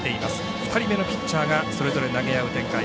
２人目のピッチャーがそれぞれ投げ合う展開。